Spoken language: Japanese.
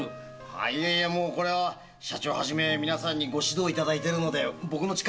いえいえもうこれは社長はじめ皆さんにご指導いただいてるので僕の力じゃ。